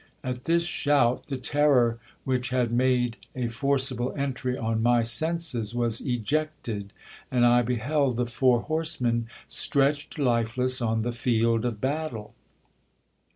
At this shout the terror which had made a forcible entry on my senses was ejected, and I beheld the four horse men stretched lifeless on the field of battie.